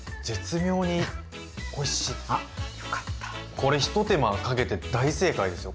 これ一手間かけて大正解ですよ。